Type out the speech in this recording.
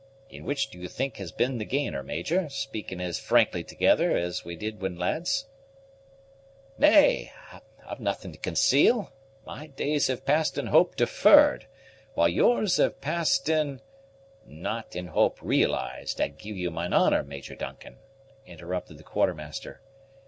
"And which do you think has been the gainer, Major, speaking as frankly thegither as we did when lads?" "Nay, I've nothing to conceal. My days have passed in hope deferred, while yours have passed in " "Not in hope realized, I give you mine honor, Major Duncan," interrupted the Quartermaster.